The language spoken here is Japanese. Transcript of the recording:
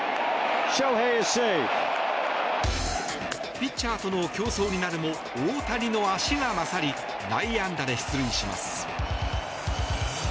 ピッチャーとの競走になるも大谷の足が勝り内野安打で出塁します。